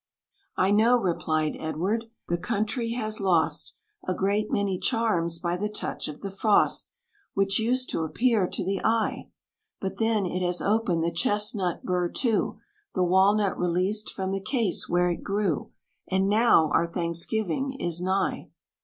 "I know," replied Edward, "the country has lost A great many charms by the touch of the frost, Which used to appear to the eye; But then, it has opened the chestnut burr too, The walnut released from the case where it grew; And now our Thanksgiving is nigh!